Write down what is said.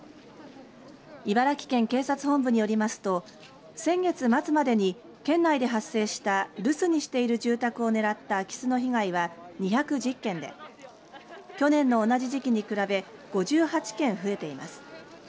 茨城県警察本部によりますと先月末までに県内で発生した留守にしている住宅を狙った空き巣の被害は２１０件で去年の同じ時期に比べ５８件増えています。